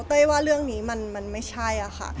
เฮ้ยว่าเรื่องนี้มันไม่ใช่ค่ะ